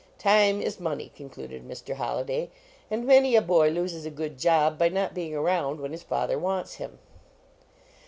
" Time is money, \concludedMr. HoIliday, "and many a boy loses a good job by not being around when his father wants him."